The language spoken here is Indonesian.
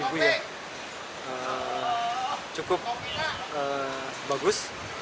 ibu ya cukup bagus